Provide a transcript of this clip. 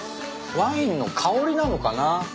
ワインの香りなのかな？